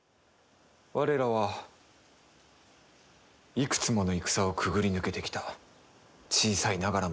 我らはいくつもの戦をくぐり抜けてきた小さいながらも固い固い一丸。